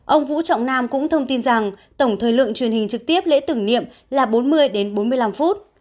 ông vũ trọng nam cũng thông tin rằng tổng thời lượng truyền hình trực tiếp lễ tưởng niệm là bốn mươi đến bốn mươi năm phút